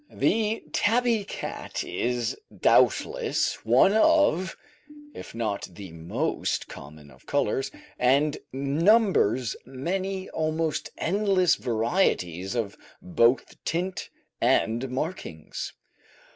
The tabby cat is doubtless one of, if not the most common of colours, and numbers many almost endless varieties of both tint and markings.